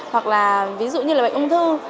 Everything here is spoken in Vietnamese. hoặc là ví dụ như là bệnh ung thư